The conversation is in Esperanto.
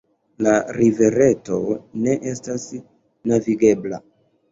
La rivereto ne estas navigebla.